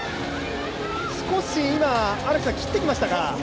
少し、今、切ってきましたか？